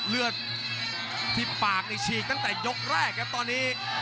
เลือดที่ปากนี่ฉีกตั้งแต่ยกแรกครับตอนนี้